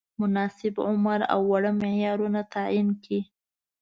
مناسب عمر او وړ معیارونه تعین کړي.